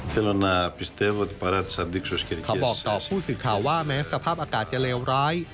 เขาบอกต่อผู้สื่อข่าวว่าแม้สภาพอากาศจะเลวร้าย